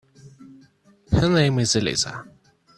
Her name is Elisa.